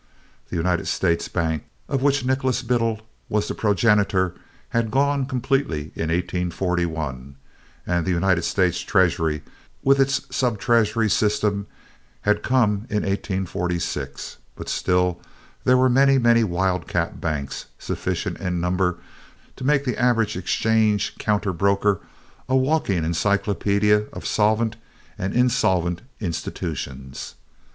The United States Bank, of which Nicholas Biddle was the progenitor, had gone completely in 1841, and the United States Treasury with its subtreasury system had come in 1846; but still there were many, many wildcat banks, sufficient in number to make the average exchange counter broker a walking encyclopedia of solvent and insolvent institutions.